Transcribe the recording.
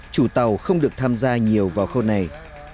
chủ tàu không được tham gia nhiều vào khâu này